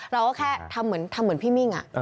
เราก็แค่ทำเหมือนพี่มิ่งอ่ะ